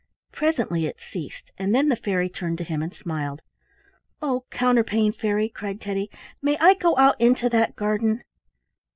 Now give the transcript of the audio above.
Presently it ceased and then the fairy turned to him and smiled. "Oh, Counterpane Fairy!" cried Teddy, "may I go out into that garden?"